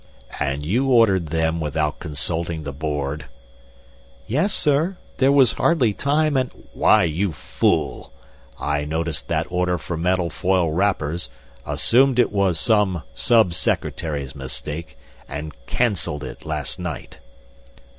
"And you ordered them without consulting the Board?" "Yes, sir. There was hardly time and " "Why, you fool! I noticed that order for metal foil wrappers, assumed it was some sub secretary's mistake, and canceled it last night!"